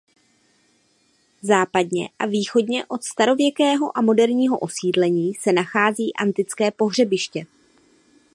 Západně a východně od starověkého a moderního osídlení se nachází antické pohřebiště.